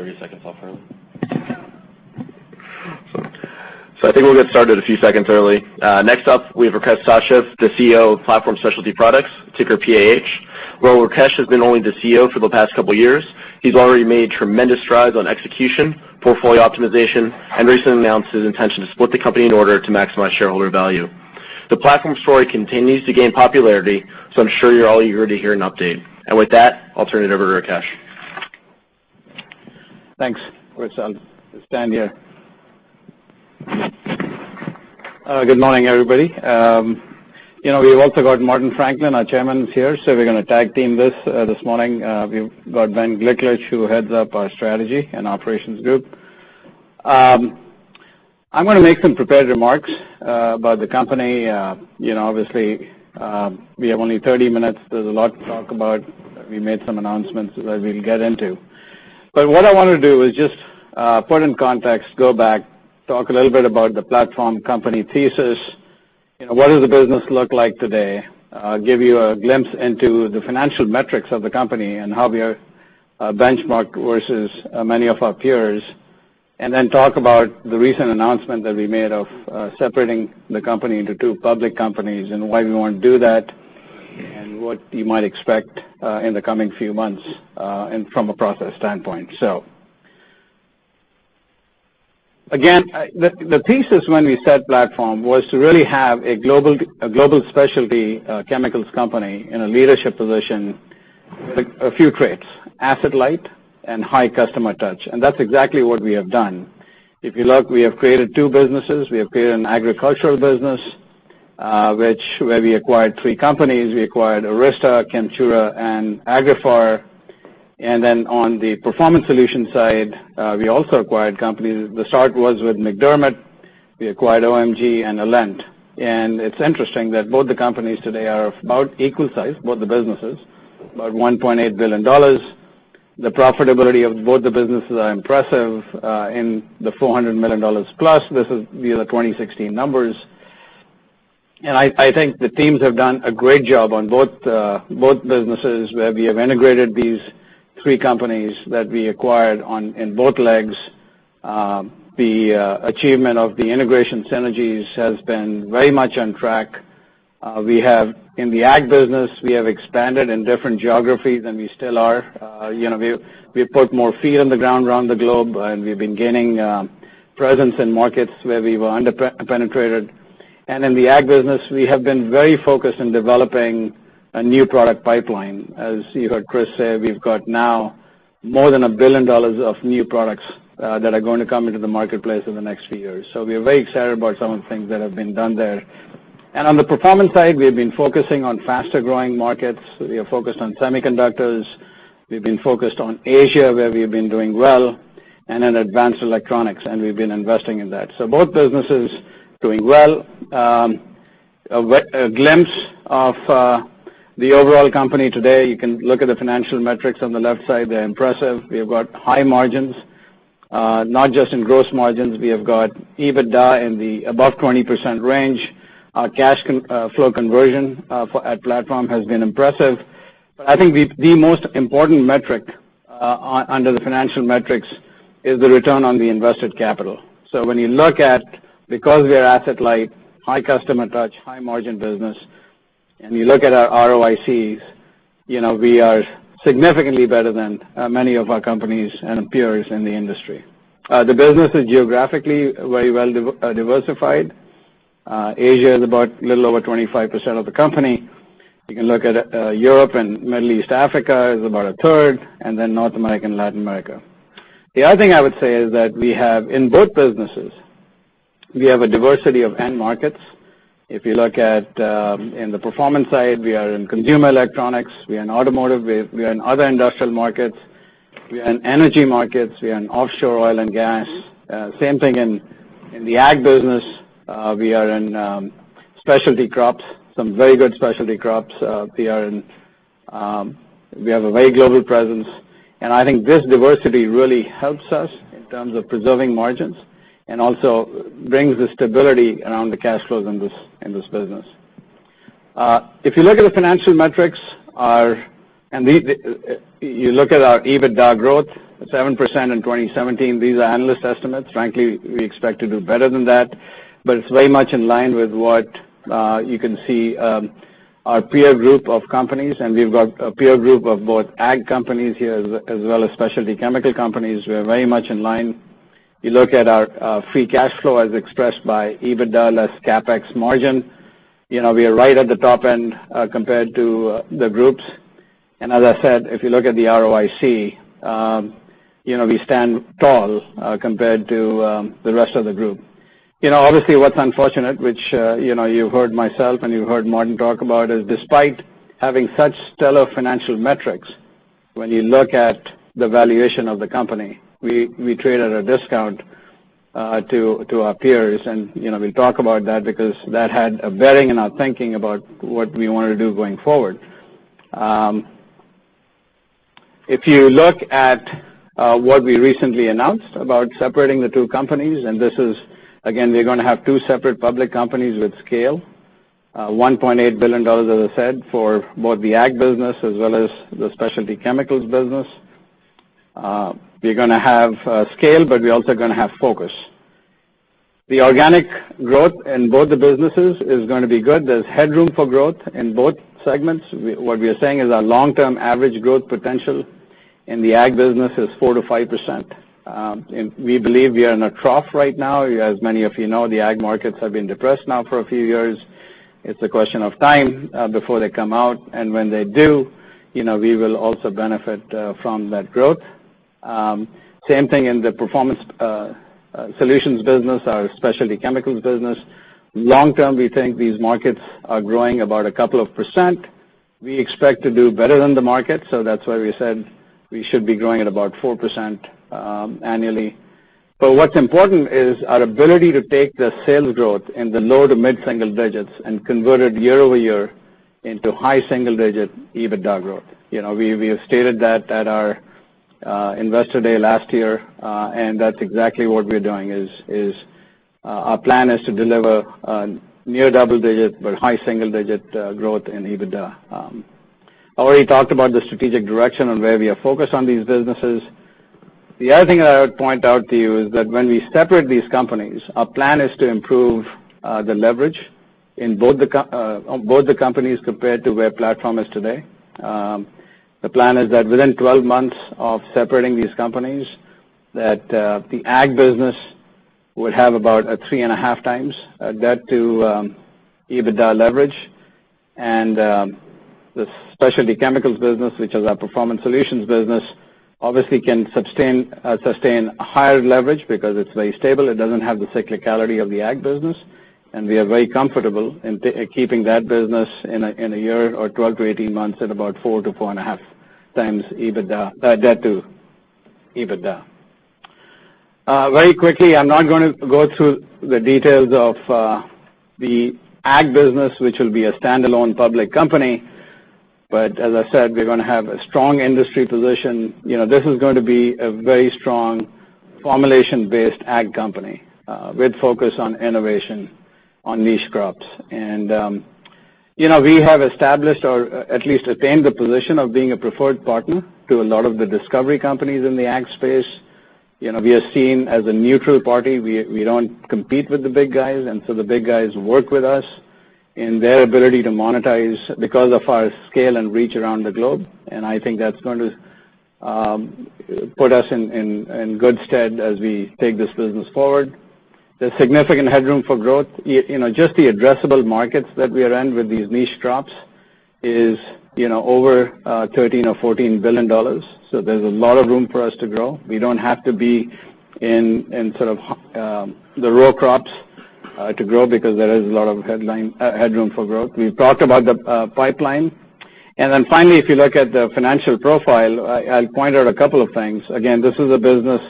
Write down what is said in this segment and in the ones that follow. Okay, take a 30-second talk for him. I think we'll get started a few seconds early. Next up, we have Rakesh Sachdev, the CEO of Platform Specialty Products, ticker PAH. Rakesh has been only the CEO for the past couple of years. He's already made tremendous strides on execution, portfolio optimization, and recently announced his intention to split the company in order to maximize shareholder value. The Platform story continues to gain popularity, so I'm sure you're all eager to hear an update. With that, I'll turn it over to Rakesh. Thanks, Gliklich. I'll stand here. Good morning, everybody. We've also got Martin Franklin, our Chairman, is here, we're going to tag team this morning. We've got Ben Gliklich, who heads up our Strategy and Operations group. I'm going to make some prepared remarks about the company. Obviously, we have only 30 minutes. There's a lot to talk about. We made some announcements that we'll get into. What I want to do is just put in context, go back, talk a little bit about the Platform company thesis. What does the business look like today? Give you a glimpse into the financial metrics of the company and how we are benchmarked versus many of our peers. Talk about the recent announcement that we made of separating the company into two public companies and why we want to do that, and what you might expect in the coming few months, and from a process standpoint. Again, the thesis when we set Platform was to really have a global specialty chemicals company in a leadership position with a few traits, asset-light and high customer touch. That's exactly what we have done. If you look, we have created two businesses. We have created an agricultural business, where we acquired three companies. We acquired Arysta, Chemtura, and Agriphar. On the Performance Solutions side, we also acquired companies. The start was with MacDermid. We acquired OMG and Alent. It's interesting that both the companies today are of about equal size, both the businesses, about $1.8 billion. The profitability of both the businesses are impressive, in the $400 million plus. These are the 2016 numbers. I think the teams have done a great job on both businesses, where we have integrated these three companies that we acquired in both legs. The achievement of the integration synergies has been very much on track. In the ag business, we have expanded in different geographies, and we still are. We have put more feet on the ground around the globe, and we've been gaining presence in markets where we were under-penetrated. In the ag business, we have been very focused on developing a new product pipeline. As you heard Chris say, we've got now more than $1 billion of new products that are going to come into the marketplace in the next few years. We are very excited about some of the things that have been done there. On the performance side, we have been focusing on faster-growing markets. We are focused on semiconductors. We've been focused on Asia, where we've been doing well, and in advanced electronics, and we've been investing in that. Both businesses are doing well. A glimpse of the overall company today. You can look at the financial metrics on the left side. They're impressive. We have got high margins. Not just in gross margins, we have got EBITDA in the above 20% range. Our cash flow conversion at Platform Specialty Products has been impressive. I think the most important metric under the financial metrics is the return on the invested capital. When you look at, because we are asset light, high customer touch, high margin business, and you look at our ROICs, we are significantly better than many of our companies and peers in the industry. The business is geographically very well-diversified. Asia is about little over 25% of the company. You can look at Europe and Middle East, Africa is about a third, and then North America and Latin America. The other thing I would say is that we have, in both businesses, we have a diversity of end markets. If you look at in the performance side, we are in consumer electronics, we are in automotive, we are in other industrial markets, we are in energy markets, we are in offshore oil and gas. Same thing in the ag business. We are in specialty crops, some very good specialty crops. We have a very global presence. I think this diversity really helps us in terms of preserving margins and also brings the stability around the cash flows in this business. If you look at the financial metrics, you look at our EBITDA growth, at 7% in 2017. These are analyst estimates. Frankly, we expect to do better than that. It's very much in line with what you can see our peer group of companies, and we've got a peer group of both ag companies here, as well as specialty chemical companies. We're very much in line. You look at our free cash flow as expressed by EBITDA less CapEx margin. We are right at the top end compared to the groups. As I said, if you look at the ROIC, we stand tall compared to the rest of the group. Obviously, what's unfortunate, which you've heard myself, and you've heard Martin talk about is despite having such stellar financial metrics, when you look at the valuation of the company, we trade at a discount to our peers. We'll talk about that because that had a bearing in our thinking about what we want to do going forward. If you look at what we recently announced about separating the two companies, this is, again, we're going to have two separate public companies with scale. $1.8 billion, as I said, for both the ag business as well as the specialty chemicals business. We're going to have scale, we're also going to have focus. The organic growth in both the businesses is going to be good. There's headroom for growth in both segments. What we are saying is our long-term average growth potential in the ag business is 4%-5%. We believe we are in a trough right now. As many of you know, the ag markets have been depressed now for a few years. It's a question of time before they come out. When they do, we will also benefit from that growth. Same thing in the Performance Solutions business, our specialty chemicals business. Long term, we think these markets are growing about a couple of percent. We expect to do better than the market, that's why we said we should be growing at about 4% annually. What's important is our ability to take the sales growth in the low to mid-single digits and convert it year-over-year into high single-digit EBITDA growth. We have stated that at our investor day last year, that's exactly what we are doing, is our plan is to deliver near double-digit, but high single-digit, growth in EBITDA. I already talked about the strategic direction and where we are focused on these businesses. The other thing that I would point out to you is that when we separate these companies, our plan is to improve the leverage in both the companies compared to where Platform is today. The plan is that within 12 months of separating these companies, that the ag business would have about a three and a half times debt to EBITDA leverage. The specialty chemicals business, which is our Performance Solutions business, obviously can sustain a higher leverage because it's very stable. It doesn't have the cyclicality of the ag business, we are very comfortable in keeping that business in a year or 12-18 months at about four to four and a half times debt to EBITDA. Very quickly, I'm not going to go through the details of the ag business, which will be a standalone public company. As I said, we're going to have a strong industry position. This is going to be a very strong formulation-based ag company with focus on innovation on niche crops. We have established or at least attained the position of being a preferred partner to a lot of the discovery companies in the ag space. We are seen as a neutral party. We don't compete with the big guys, the big guys work with us in their ability to monetize because of our scale and reach around the globe. I think that's going to put us in good stead as we take this business forward. There's significant headroom for growth. Just the addressable markets that we are in with these niche crops is over $13 billion or $14 billion. There's a lot of room for us to grow. We don't have to be in sort of the raw crops to grow because there is a lot of headroom for growth. We've talked about the pipeline. Finally, if you look at the financial profile, I'll point out a couple of things. Again, this is a business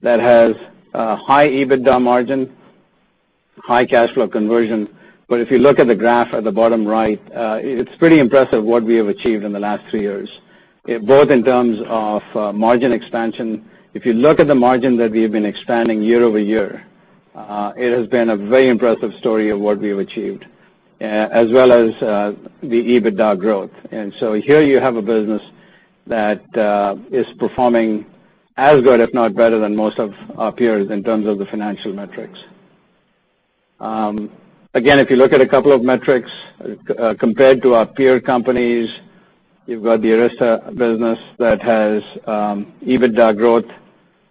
that has a high EBITDA margin, high cash flow conversion. If you look at the graph at the bottom right, it's pretty impressive what we have achieved in the last three years, both in terms of margin expansion. If you look at the margin that we have been expanding year-over-year, it has been a very impressive story of what we have achieved, as well as the EBITDA growth. Here you have a business that is performing as good, if not better, than most of our peers in terms of the financial metrics. Again, if you look at a couple of metrics compared to our peer companies, you've got the Arysta business that has EBITDA growth,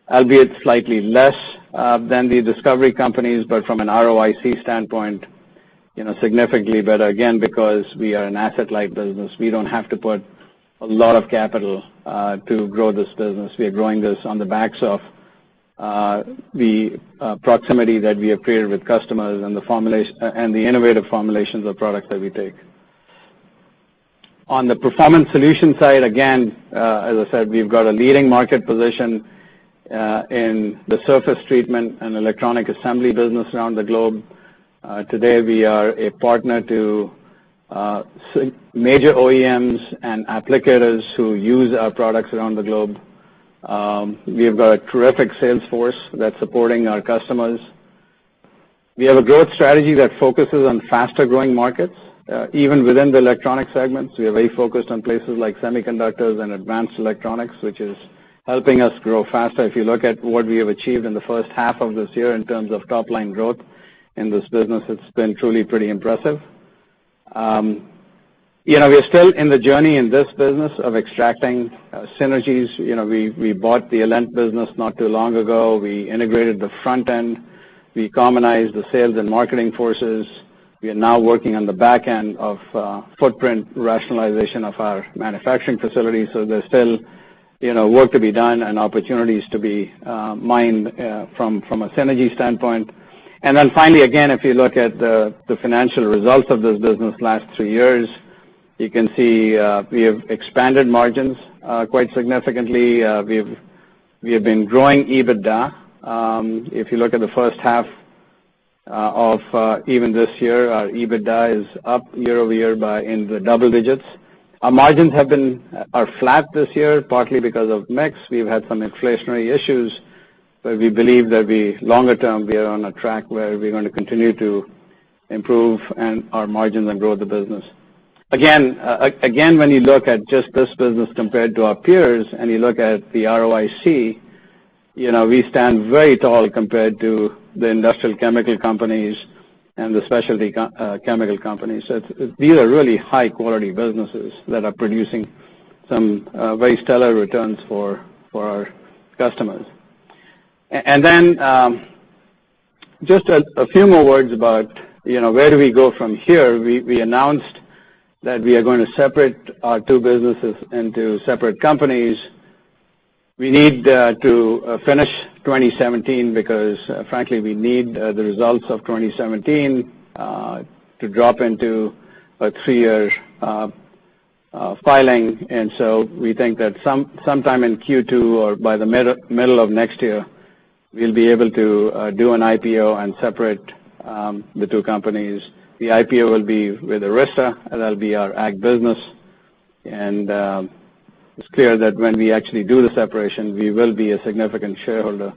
albeit slightly less than the Discovery companies, but from an ROIC standpoint, significantly better. Again, because we are an asset-light business, we don't have to put a lot of capital to grow this business. We are growing this on the backs of the proximity that we have created with customers and the innovative formulations of products that we take. On the Performance Solutions side, again as I said, we've got a leading market position in the surface treatment and electronic assembly business around the globe. Today, we are a partner to major OEMs and applicators who use our products around the globe. We have got a terrific sales force that's supporting our customers. We have a growth strategy that focuses on faster-growing markets. Even within the electronic segments, we are very focused on places like semiconductors and advanced electronics, which is helping us grow faster. If you look at what we have achieved in the first half of this year in terms of top-line growth in this business, it's been truly pretty impressive. We are still in the journey in this business of extracting synergies. We bought the Alent business not too long ago. We integrated the front end. We commonized the sales and marketing forces. We are now working on the back end of footprint rationalization of our manufacturing facilities. There's still work to be done and opportunities to be mined from a synergy standpoint. Finally, again, if you look at the financial results of this business the last three years, you can see we have expanded margins quite significantly. We have been growing EBITDA. If you look at the first half of even this year, our EBITDA is up year-over-year in the double digits. Our margins are flat this year, partly because of mix. We've had some inflationary issues, we believe that longer term, we are on a track where we're going to continue to improve our margins and grow the business. Again, when you look at just this business compared to our peers, and you look at the ROIC, we stand very tall compared to the industrial chemical companies and the specialty chemical companies. These are really high-quality businesses that are producing some very stellar returns for our customers. Just a few more words about where do we go from here. We announced that we are going to separate our two businesses into separate companies. We need to finish 2017 because, frankly, we need the results of 2017 to drop into a three-year filing. We think that sometime in Q2 or by the middle of next year, we'll be able to do an IPO and separate the two companies. The IPO will be with Arysta, and that'll be our ag business. It's clear that when we actually do the separation, we will be a significant shareholder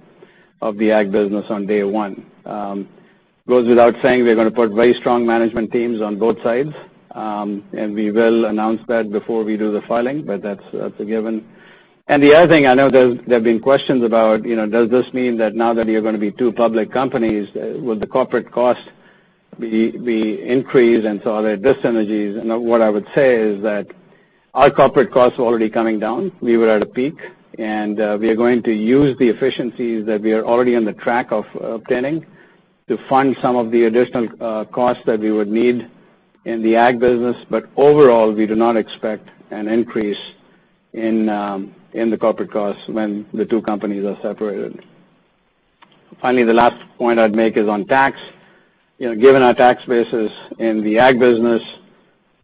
of the ag business on day one. It goes without saying, we're going to put very strong management teams on both sides, and we will announce that before we do the filing, but that's a given. The other thing, I know there have been questions about, does this mean that now that you're going to be two public companies, will the corporate cost be increased, and so are there dis-synergies? What I would say is that our corporate costs were already coming down. We were at a peak, we are going to use the efficiencies that we are already on the track of obtaining to fund some of the additional costs that we would need in the ag business. Overall, we do not expect an increase in the corporate costs when the two companies are separated. Finally, the last point I'd make is on tax. Given our tax bases in the ag business,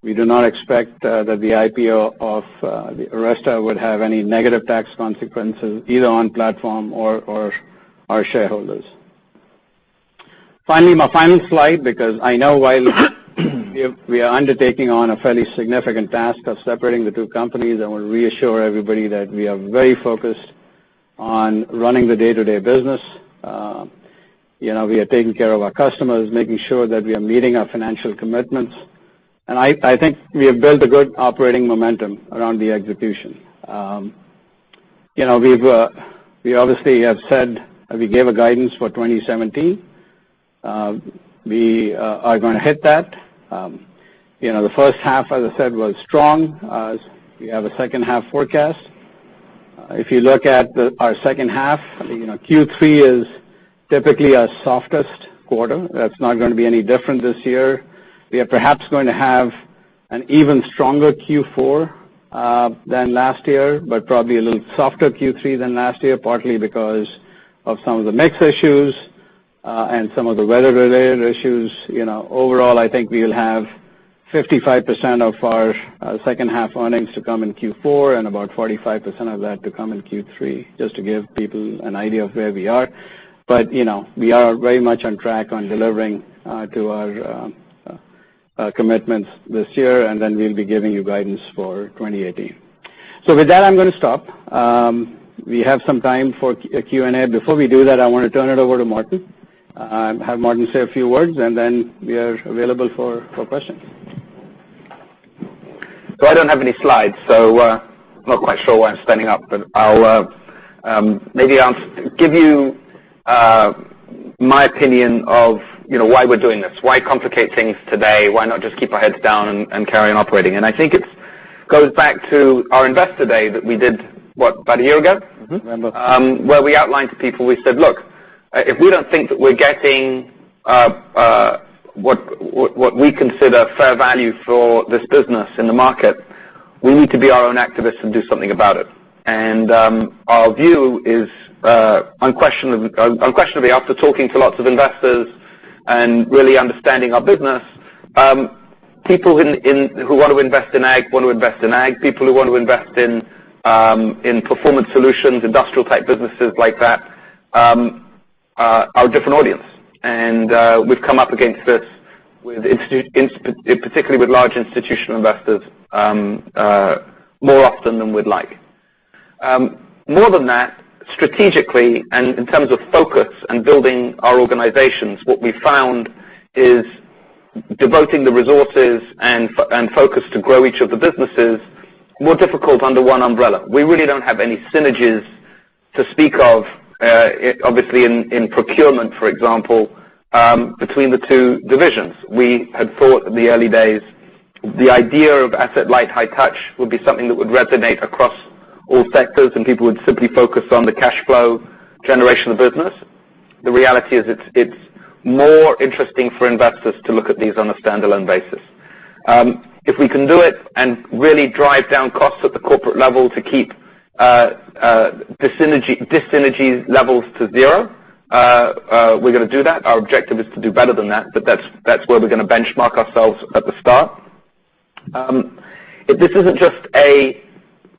we do not expect that the IPO of Arysta would have any negative tax consequences, either on Platform or our shareholders. My final slide, because I know while we are undertaking on a fairly significant task of separating the two companies, I want to reassure everybody that we are very focused on running the day-to-day business. We are taking care of our customers, making sure that we are meeting our financial commitments. I think we have built a good operating momentum around the execution. We obviously have said that we gave a guidance for 2017. We are going to hit that. The first half, as I said, was strong. We have a second-half forecast. If you look at our second half, Q3 is typically our softest quarter. That's not going to be any different this year. We are perhaps going to have an even stronger Q4 than last year, but probably a little softer Q3 than last year, partly because of some of the mix issues and some of the weather-related issues. Overall, I think we'll have 55% of our second half earnings to come in Q4 and about 45% of that to come in Q3, just to give people an idea of where we are. We are very much on track on delivering to our commitments this year, we'll be giving you guidance for 2018. With that, I'm going to stop. We have some time for Q&A. Before we do that, I want to turn it over to Martin, have Martin say a few words, we are available for questions. I don't have any slides, I'm not quite sure why I'm standing up. Maybe I'll give you my opinion of why we're doing this. Why complicate things today? Why not just keep our heads down and carry on operating? I think it goes back to our investor day that we did, what, about a year ago? November. Where we outlined to people, we said, "Look, if we don't think that we're getting what we consider fair value for this business in the market, we need to be our own activists and do something about it." Our view is unquestionably, after talking to lots of investors and really understanding our business, people who want to invest in ag want to invest in ag, people who want to invest in Performance Solutions, industrial-type businesses like that, are a different audience. We've come up against this, particularly with large institutional investors, more often than we'd like. More than that, strategically and in terms of focus and building our organizations, what we found is devoting the resources and focus to grow each of the businesses more difficult under one umbrella. We really don't have any synergies to speak of, obviously in procurement, for example, between the two divisions. We had thought in the early days, the idea of asset light, high touch would be something that would resonate across all sectors, and people would simply focus on the cash flow generation of business. The reality is it's more interesting for investors to look at these on a standalone basis. If we can do it and really drive down costs at the corporate level to keep dis-synergy levels to zero, we're going to do that. Our objective is to do better than that, but that's where we're going to benchmark ourselves at the start. This isn't just a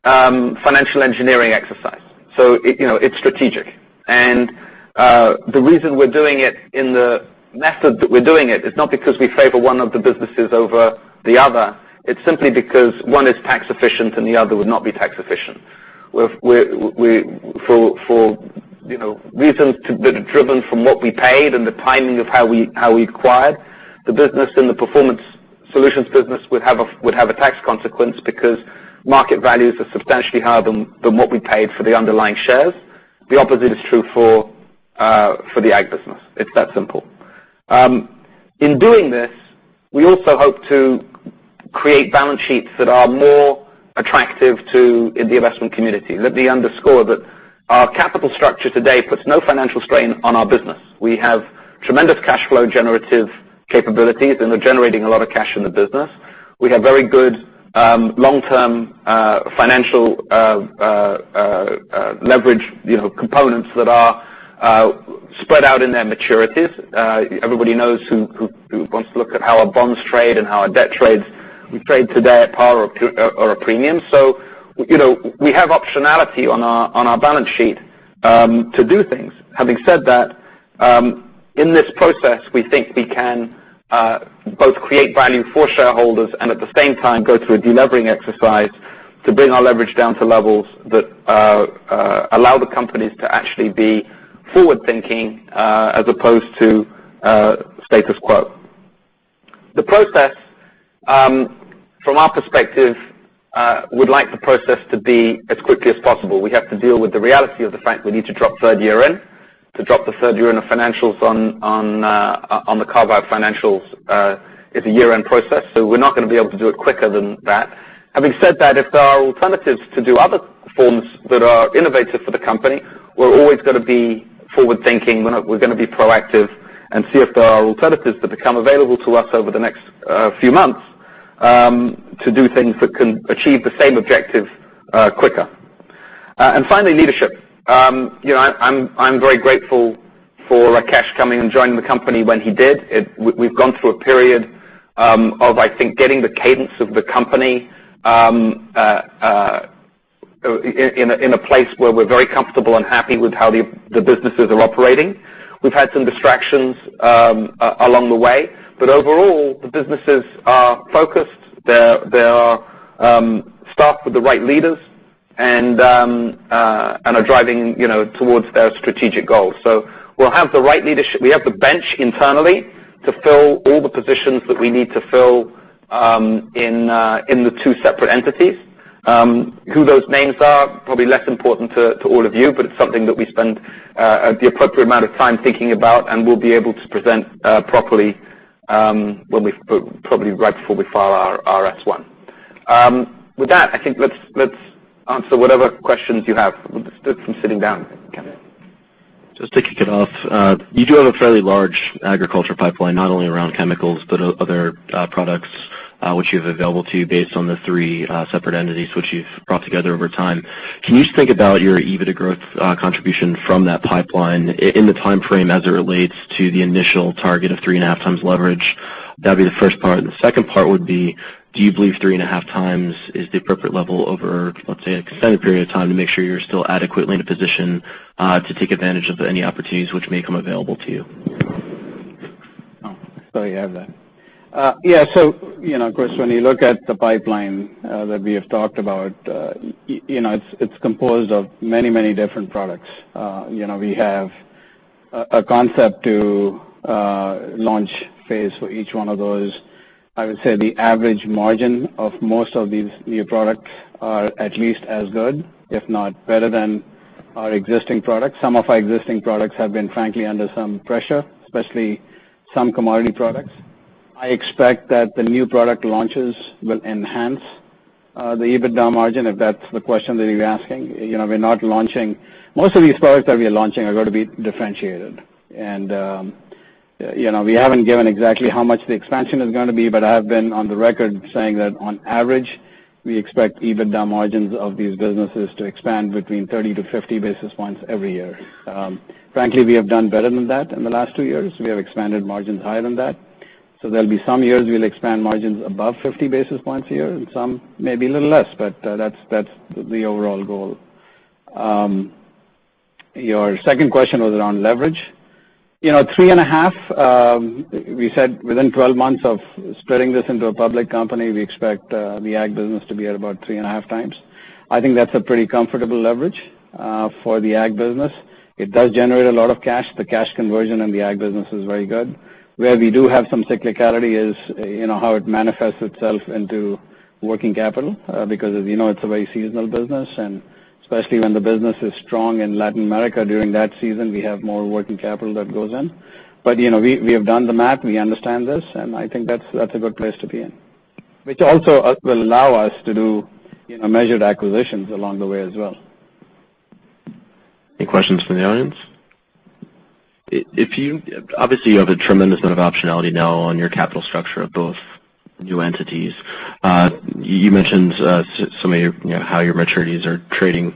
financial engineering exercise. It's strategic. The reason we're doing it in the method that we're doing it is not because we favor one of the businesses over the other. It's simply because one is tax efficient and the other would not be tax efficient. For reasons driven from what we paid and the timing of how we acquired the business, the Performance Solutions business would have a tax consequence because market values are substantially higher than what we paid for the underlying shares. The opposite is true for the Ag business. It's that simple. In doing this, we also hope to create balance sheets that are more attractive to the investment community. Let me underscore that our capital structure today puts no financial strain on our business. We have tremendous cash flow generative capabilities. We're generating a lot of cash in the business. We have very good long-term financial leverage components that are spread out in their maturities. Everybody knows who wants to look at how our bonds trade and how our debt trades. We trade today at par or a premium. We have optionality on our balance sheet to do things. Having said that, in this process, we think we can both create value for shareholders and at the same time go through a de-leveraging exercise to bring our leverage down to levels that allow the companies to actually be forward-thinking, as opposed to status quo. The process, from our perspective, would like the process to be as quickly as possible. We have to deal with the reality of the fact we need to drop third year-end. To drop the third year-end of financials on the carve-out financials is a year-end process, so we're not going to be able to do it quicker than that. Having said that, if there are alternatives to do other forms that are innovative for the company, we're always going to be forward-thinking. We're going to be proactive and see if there are alternatives that become available to us over the next few months to do things that can achieve the same objective quicker. Finally, leadership. I'm very grateful for Rakesh coming and joining the company when he did. We've gone through a period of, I think, getting the cadence of the company in a place where we're very comfortable and happy with how the businesses are operating. We've had some distractions along the way, but overall, the businesses are focused. They are staffed with the right leaders and are driving towards their strategic goals. We'll have the right leadership. We have the bench internally to fill all the positions that we need to fill in the two separate entities. Who those names are, probably less important to all of you, but it's something that we spend the appropriate amount of time thinking about and will be able to present properly, probably right before we file our S-1. With that, I think let's answer whatever questions you have from sitting down. Kevin. Just to kick it off, you do have a fairly large agriculture pipeline, not only around chemicals but other products which you have available to you based on the three separate entities which you've brought together over time. Can you just think about your EBITDA growth contribution from that pipeline in the timeframe as it relates to the initial target of 3.5 times leverage? That'd be the first part. The second part would be, do you believe 3.5 times is the appropriate level over, let's say, an extended period of time to make sure you're still adequately in a position to take advantage of any opportunities which may come available to you? Sorry you have that. When you look at the pipeline that we have talked about, it's composed of many different products. We have a concept to launch phase for each one of those. I would say the average margin of most of these new products are at least as good, if not better than our existing products. Some of our existing products have been frankly under some pressure, especially some commodity products. I expect that the new product launches will enhance the EBITDA margin, if that's the question that you're asking. Most of these products that we are launching are going to be differentiated. We haven't given exactly how much the expansion is going to be, but I have been on the record saying that on average, we expect EBITDA margins of these businesses to expand between 30-50 basis points every year. Frankly, we have done better than that in the last 2 years. We have expanded margins higher than that. There'll be some years we'll expand margins above 50 basis points a year, and some may be a little less, but that's the overall goal. Your second question was around leverage. 3.5, we said within 12 months of splitting this into a public company, we expect the Ag business to be at about 3.5 times. I think that's a pretty comfortable leverage for the Ag business. It does generate a lot of cash. The cash conversion in the Ag business is very good. Where we do have some cyclicality is how it manifests itself into working capital, because as you know, it's a very seasonal business, and especially when the business is strong in Latin America during that season, we have more working capital that goes in. We have done the math, we understand this, and I think that's a good place to be in. Which also will allow us to do measured acquisitions along the way as well. Any questions from the audience? Obviously, you have a tremendous amount of optionality now on your capital structure of both new entities. You mentioned how your maturities are trading.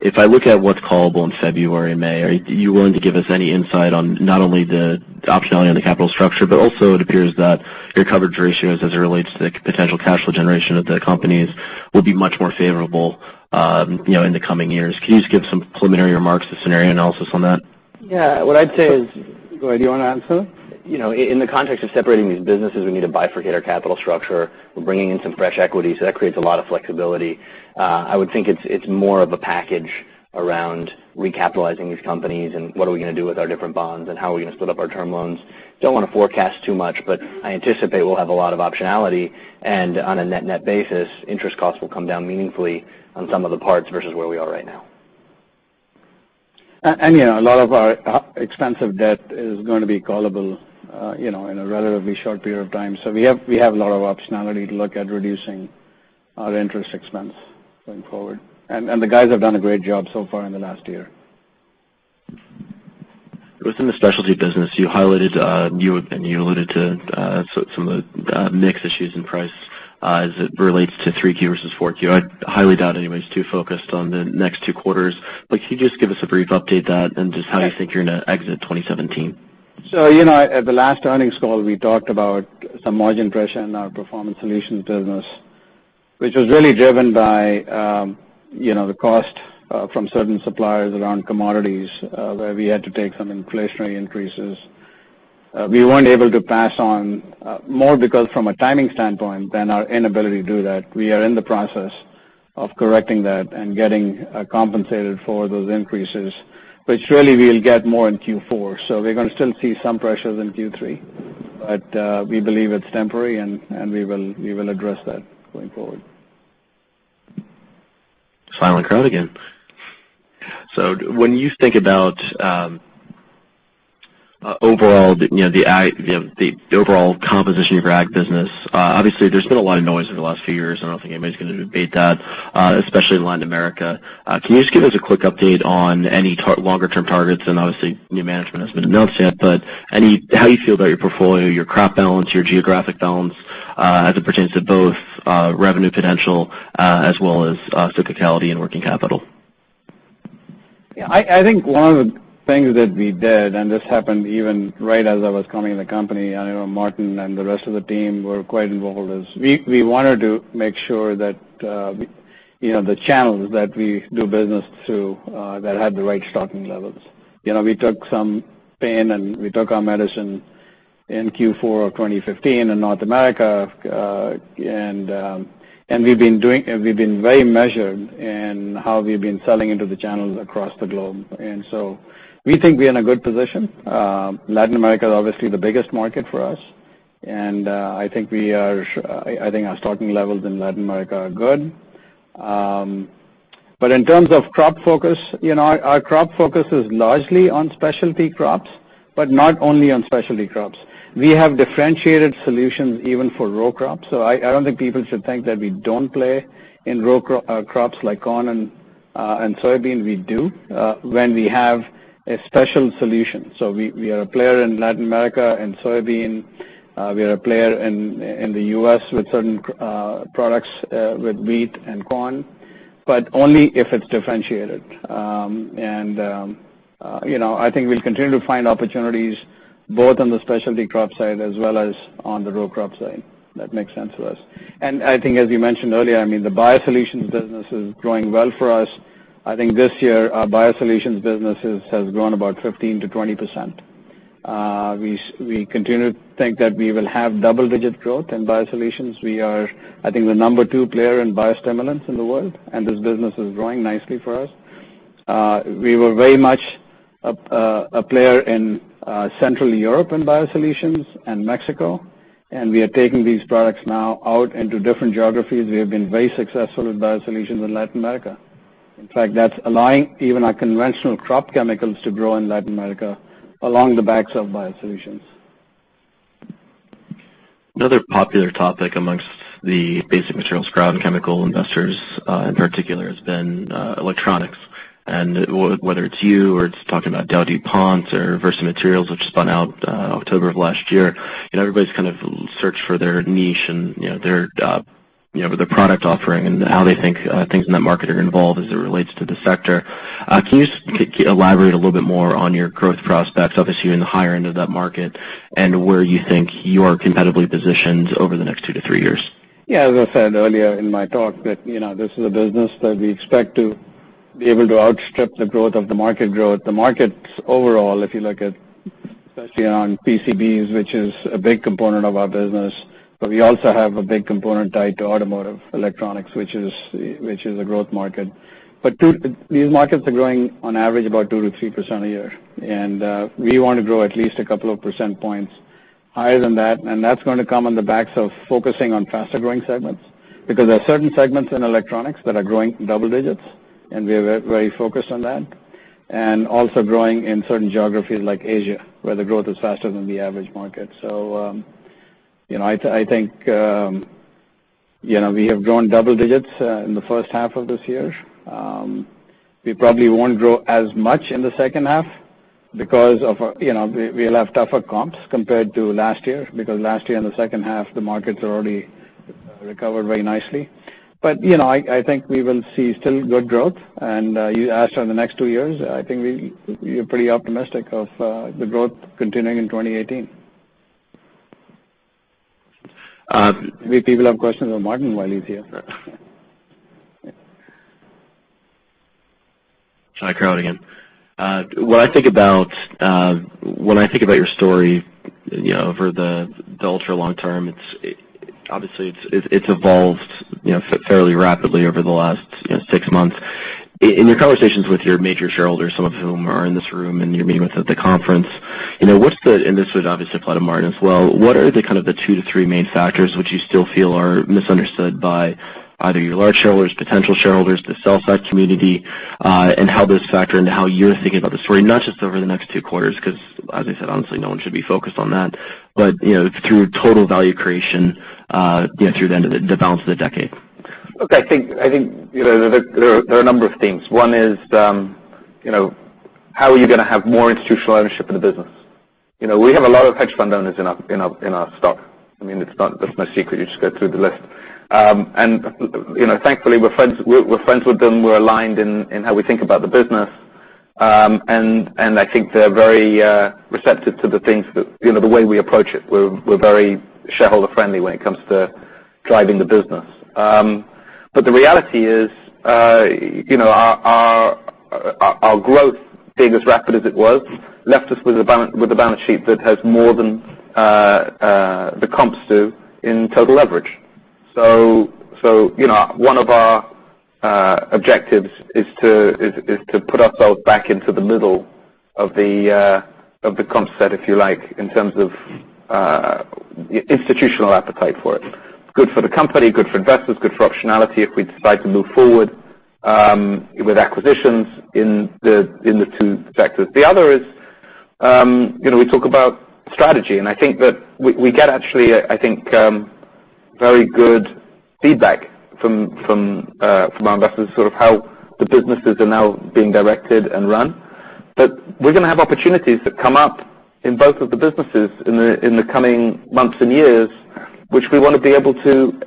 If I look at what's callable in February and May, are you willing to give us any insight on not only the optionality on the capital structure, but also it appears that your coverage ratios as it relates to the potential cash flow generation of the companies will be much more favorable in the coming years. Can you just give some preliminary remarks to scenario analysis on that? Yeah. Go ahead. Do you want to answer? In the context of separating these businesses, we need to bifurcate our capital structure. That creates a lot of flexibility. I would think it's more of a package around recapitalizing these companies, and what are we going to do with our different bonds, and how are we going to split up our term loans. I anticipate we'll have a lot of optionality, and on a net net basis, interest costs will come down meaningfully on some of the parts versus where we are right now. Yeah, a lot of our expensive debt is going to be callable in a relatively short period of time. We have a lot of optionality to look at reducing our interest expense going forward. The guys have done a great job so far in the last year. Within the specialty business, you highlighted, and you alluded to some of the mix issues in price as it relates to 3Q versus 4Q. I highly doubt anybody's too focused on the next two quarters. Can you just give us a brief update on that and just how you think you're going to exit 2017? At the last earnings call, we talked about some margin pressure in our Performance Solutions business, which was really driven by the cost from certain suppliers around commodities, where we had to take some inflationary increases. We weren't able to pass on, more because from a timing standpoint than our inability to do that. We are in the process of correcting that and getting compensated for those increases, which really we'll get more in Q4. We're going to still see some pressures in Q3, but we believe it's temporary, and we will address that going forward. Silent crowd again. When you think about the overall composition of your ag business, obviously there's been a lot of noise over the last few years. I don't think anybody's going to debate that, especially in Latin America. Can you just give us a quick update on any longer-term targets? Obviously, new management has been announced yet, but how do you feel about your portfolio, your crop balance, your geographic balance, as it pertains to both revenue potential as well as cyclicality and working capital? Yeah. I think one of the things that we did, and this happened even right as I was coming in the company, and I know Martin and the rest of the team were quite involved is we wanted to make sure that the channels that we do business through, that had the right stocking levels. We took some pain, and we took our medicine in Q4 of 2015 in North America. We've been very measured in how we've been selling into the channels across the globe. We think we're in a good position. Latin America is obviously the biggest market for us, and I think our stocking levels in Latin America are good. In terms of crop focus, our crop focus is largely on specialty crops, but not only on specialty crops. We have differentiated solutions even for row crops. I don't think people should think that we don't play in row crops like corn and soybean. We do, when we have a special solution. We are a player in Latin America in soybean. We are a player in the U.S. with certain products, with wheat and corn, but only if it's differentiated. I think we'll continue to find opportunities both on the specialty crop side as well as on the row crop side that make sense for us. I think as you mentioned earlier, the biosolutions business is growing well for us. I think this year, our biosolutions business has grown about 15%-20%. We continue to think that we will have double-digit growth in biosolutions. We are, I think, the number 2 player in biostimulants in the world, and this business is growing nicely for us. We were very much a player in Central Europe in biosolutions and Mexico, we are taking these products now out into different geographies. We have been very successful with biosolutions in Latin America. In fact, that's allowing even our conventional crop chemicals to grow in Latin America along the backs of biosolutions. Another popular topic amongst the basic materials crowd and chemical investors in particular has been electronics. Whether it's you or it's talking about DowDuPont or Versum Materials, which spun out October of last year, everybody's kind of searched for their niche and their product offering and how they think things in that market are involved as it relates to the sector. Can you elaborate a little bit more on your growth prospects, obviously in the higher end of that market, and where you think you are competitively positioned over the next two to three years? As I said earlier in my talk, that this is a business that we expect to be able to outstrip the growth of the market growth. The markets overall, if you look at especially on PCBs, which is a big component of our business, but we also have a big component tied to automotive electronics, which is a growth market. These markets are growing on average about 2%-3% a year, and we want to grow at least a couple of percent points higher than that. That's going to come on the backs of focusing on faster-growing segments, because there are certain segments in electronics that are growing double digits, we are very focused on that. Also growing in certain geographies like Asia, where the growth is faster than the average market. I think we have grown double digits in the first half of this year. We probably won't grow as much in the second half because we'll have tougher comps compared to last year, because last year in the second half, the markets already recovered very nicely. I think we will see still good growth. You asked on the next two years, I think we are pretty optimistic of the growth continuing in 2018. Maybe people have questions for Martin while he's here. Hi, Chris again. When I think about your story over the ultra long term, obviously it's evolved fairly rapidly over the last six months. In your conversations with your major shareholders, some of whom are in this room, and your meetings at the conference, and this would obviously apply to Martin as well, what are the two to three main factors which you still feel are misunderstood by either your large shareholders, potential shareholders, the sell-side community, and how those factor into how you're thinking about the story, not just over the next two quarters, because as I said, honestly, no one should be focused on that, but through total value creation through the end of the balance of the decade? I think there are a number of things. One is, how are you going to have more institutional ownership in the business? We have a lot of hedge fund owners in our stock. It's no secret. You just go through the list. Thankfully, we're friends with them. We're aligned in how we think about the business. I think they're very receptive to the way we approach it. We're very shareholder-friendly when it comes to driving the business. The reality is, our growth being as rapid as it was, left us with a balance sheet that has more than the comps do in total leverage. One of our objectives is to put ourselves back into the middle of the comp set, if you like, in terms of institutional appetite for it. Good for the company, good for investors, good for optionality if we decide to move forward with acquisitions in the two sectors. The other is, we talk about strategy, and I think that we get actually very good feedback from our investors, how the businesses are now being directed and run. We're going to have opportunities that come up in both of the businesses in the coming months and years, which we want to be able to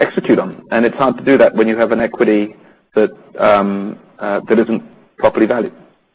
execute on. It's hard to do that when you have an equity that isn't properly valued.